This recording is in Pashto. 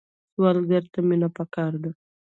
سوالګر ته مینه پکار ده